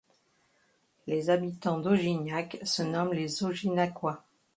Les habitants d'Augignac se nomment les Auginacois.